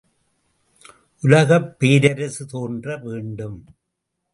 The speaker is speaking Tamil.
உலகப் பேரரசு தோன்ற வேண்டும்.